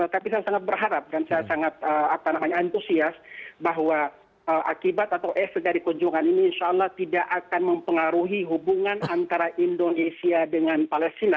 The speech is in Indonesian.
tapi saya sangat berharap dan saya sangat antusias bahwa akibat atau efek dari kunjungan ini insya allah tidak akan mempengaruhi hubungan antara indonesia dengan palestina